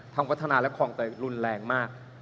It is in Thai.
วัฒนาและคลองเตยรุนแรงมาก